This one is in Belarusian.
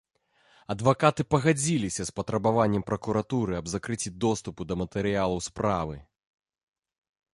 Адвакаты пагадзіліся з патрабаваннем пракуратуры аб закрыцці доступу да матэрыялаў справы.